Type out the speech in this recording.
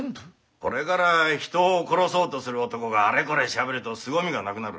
これから人を殺そうとする男があれこれしゃべるとすごみがなくなる。